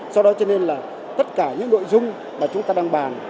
sau đó cho nên là tất cả những nội dung mà chúng ta đang bàn